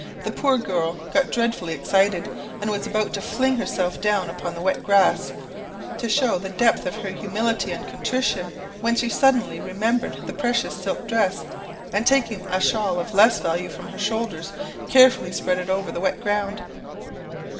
The poor girl got dreadfully excited, and was about to fling herself down upon the wet grass, to show the depth of her humility and contrition, when she suddenly remembered the precious silk dress, and taking a shawl of less value from her shoulders, carefully spread it over the wet ground.